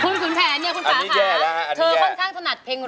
คุณฝาคะเธอค่อนข้างสนัดเพลงเร็ว